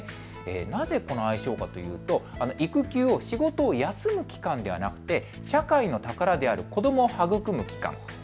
なぜこの愛称かというと育休を仕事を休む期間ではなく社会の宝である子どもを育む期間。